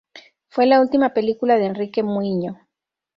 Fue la última película de Enrique Muiño.